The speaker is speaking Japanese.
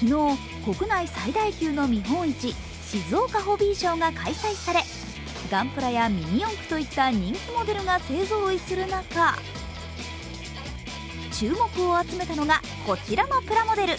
昨日、国内最大級の見本市、静岡ホビーショーが開催され、ガンプラやミニ四駆といった人気モデルが勢ぞろいする中注目を集めたのがこちらのプラモデル。